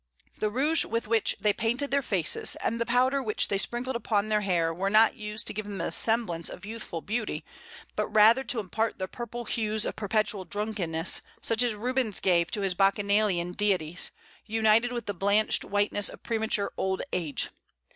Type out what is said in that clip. The rouge with which they painted their faces, and the powder which they sprinkled upon their hair were not used to give them the semblance of youthful beauty, but rather to impart the purple hues of perpetual drunkenness, such as Rubens gave to his Bacchanalian deities, united with the blanched whiteness of premature old age.